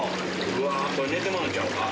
うわこれ寝てまうんちゃうか。